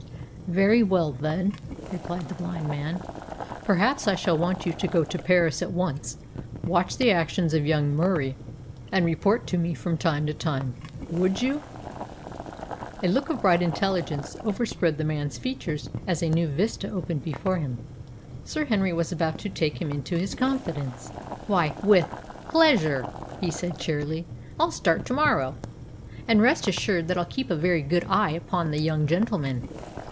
"Very well, then," replied the blind man. "Perhaps I shall want you to go to Paris at once, watch the actions of young Murie, and report to me from time to time. Would you?" A look of bright intelligence overspread the man's features as a new vista opened before him. Sir Henry was about to take him into his confidence! "Why, with pleasure," he said cheerily. "I'll start to morrow, and rest assured that I'll keep a very good eye upon the young gentleman.